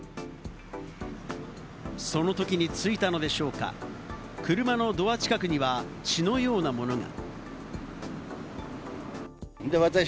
そのときについたのでしょうか、車のドア近くには血のようなものが。